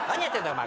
お前。